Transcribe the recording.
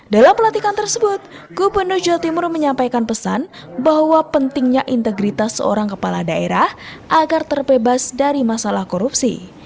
dalam pelantikan tersebut gubernur jawa timur menyampaikan pesan bahwa pentingnya integritas seorang kepala daerah agar terbebas dari masalah korupsi